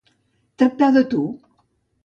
Tractar de tu.